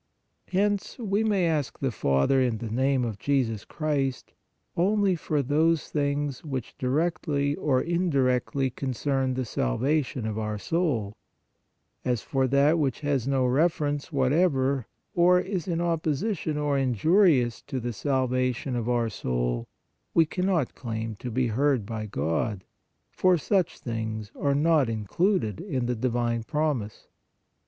40 PRAYER Hence we may ask the Father in the name of Jesus Christ, only for those things which directly or in directly concern the salvation of our soul; as for that which has no reference whatever or is in op position or injurious to the salvation of our soul we cannot claim to be heard by God, for such things are not included in the divine promise.